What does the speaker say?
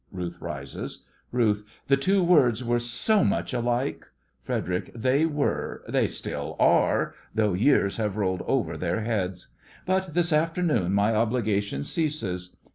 (Ruth rises) RUTH: The two words were so much alike! FREDERIC: They were. They still are, though years have rolled over their heads. But this afternoon my obligation ceases.